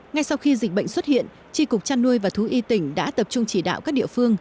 ngay sau khi dịch bệnh xuất hiện tri cục trăn nuôi và thú y tỉnh đã tập trung chỉ đạo các địa phương